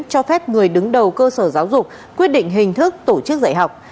cho phép người đứng đầu cơ sở giáo dục quyết định hình thức tổ chức dạy học